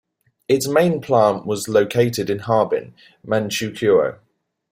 Its main plant was located in Harbin, Manchukuo.